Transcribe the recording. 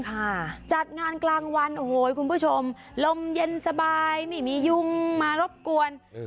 ค่ะจัดงานกลางวันโอ้โหคุณผู้ชมลมเย็นสบายไม่มียุงมารบกวนอืม